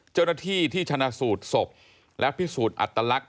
เจ้าหน้าที่ที่ชนะสูตรศพและพิสูจน์อัตลักษณ